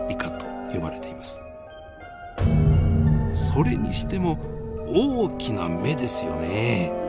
それにしても大きな目ですよね。